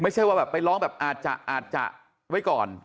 ไม่ใช่ว่าแบบไปร้องแบบอาจจะไว้ก่อน